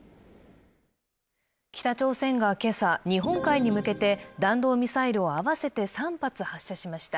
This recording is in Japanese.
北朝鮮が今朝、日本海に向けて弾道ミサイルを合わせて３発発射しました。